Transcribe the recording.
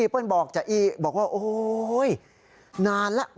แล้วเวลาต่างชาติเวลาเขาเดินอย่างนี้